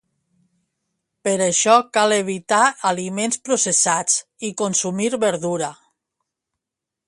Per això cal evitar aliments processats i consumir verdura.